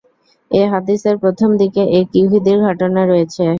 এ হাদীসের প্রথম দিকে এক ইহুদীর ঘটনা রয়েছে।